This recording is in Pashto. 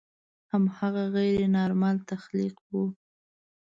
هماغه غیر نارمل تخلیق و.